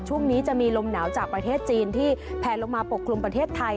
ช่วงนี้จะมีลมหนาวจากประเทศจีนที่แพลลงมาปกคลุมประเทศไทย